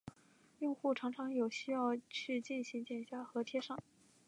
用户常常有需要去进行剪下和贴上。